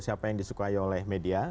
siapa yang disukai oleh media